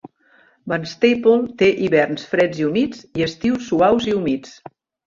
Barnstaple té hiverns freds i humits i estius suaus i humits.